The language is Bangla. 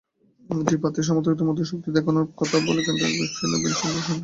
দুই প্রার্থীর সমর্থকদের মধ্যে শক্তি দেখানোর কথা বললেন গেন্ডারিয়ার ব্যবসায়ী নবীন চন্দ্র সেন।